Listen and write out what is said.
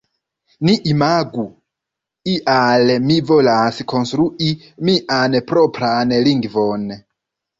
Ni imagu, ial mi volas konstrui mian propran lingvon.